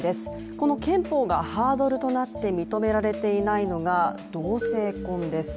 この憲法がハードルとなっていて認められていないのが同性婚です。